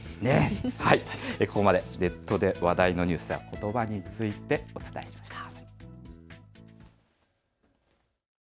ここまでネットで話題のニュースやことばについてお伝えしました。